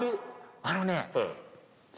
あのね。